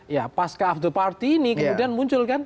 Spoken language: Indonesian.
ya pas ke after party ini kemudian muncul kan